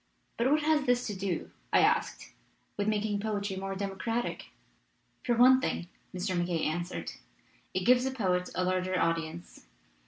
"But what has this to do," I asked, "with making poetry more democratic?" "For one thing," Mr. MacKaye answered, "it gives the poet a larger audience.